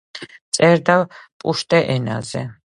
წერდა პუშტუ ენაზე.